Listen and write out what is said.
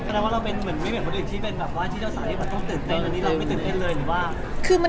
นายค่ะ